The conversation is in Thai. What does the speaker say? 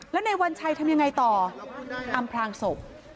แล้วนายวัญชัยทำยังไงต่ออำพลางศพ